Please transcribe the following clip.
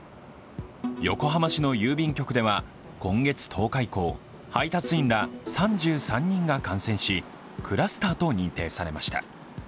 横浜市の郵便局では、今月１０日以降、配達員ら３３人が感染し、クラスターと認定されました。